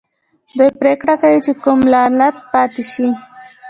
دوی پریکړه کوي چې کوم لغت پاتې شي.